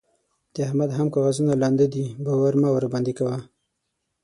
د احمد هم کاغذونه لانده دي؛ باور مه ورباندې کوه.